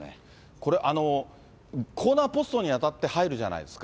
これ、コーナーポストに当たって、入るじゃないですか。